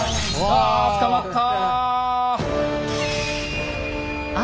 あ捕まった！